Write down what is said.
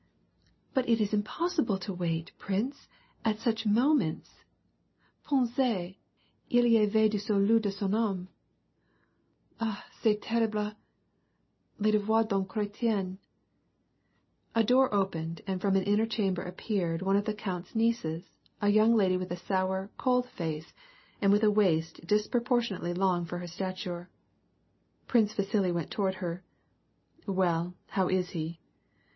"But it is impossible to wait, prince, at such moments. Pensez, il y va du salut de son dine — Ah c^est terrible, les devoirs d*un Chretien.'^ * A door opened, and from an inner chamber appeared one of the count's nieces, a young lady with a sour, cold face, and with a waist disproportionately long for her stature. Prince Vasili went toward her :" Well, how is he